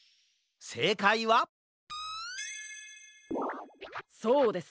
せいかいはそうです。